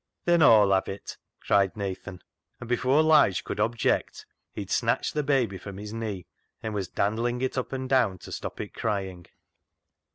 " Then, Aw'll have it," cried Nathan, and before Lige could object he had snatched the baby from his knee, and was dandling it up and down to stop its crying.